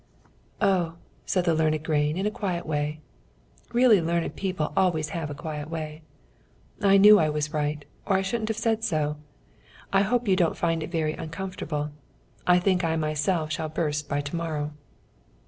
"Oh!" said the learned grain, in a quiet way (really learned people always have a quiet way), "I knew I was right, or I shouldn't have said so. I hope you don't find it very uncomfortable. I think I myself shall burst by to morrow."